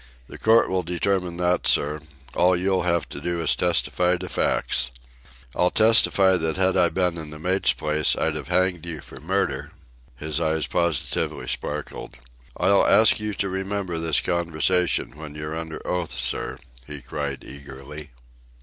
"The court will determine that, sir. All you'll have to do is to testify to facts." "I'll testify that had I been in the mate's place I'd have hanged you for murder." His eyes positively sparkled. "I'll ask you to remember this conversation when you're under oath, sir," he cried eagerly.